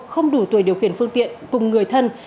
không đủ tuổi điều khiển phương tiện cùng người thân